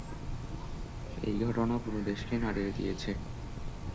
এই ঘটনা পুরো দেশকে নাড়িয়ে দিয়েছে।